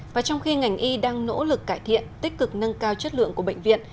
và trong khi ngành y đang nỗ lực cải thiện tích cực nâng cao chất lượng của bệnh viện